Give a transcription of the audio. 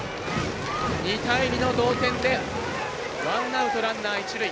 ２対２の同点でワンアウト、ランナー、一塁。